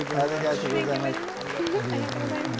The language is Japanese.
ありがとうございます。